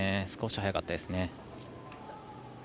少し速かったですね。